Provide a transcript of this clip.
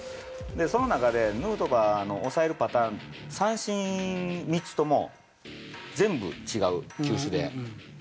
その中で、ヌートバーの抑えるパターン、三振３つとも全部違う球種で。